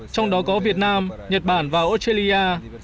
trong đó có việt nam nhật bản và australia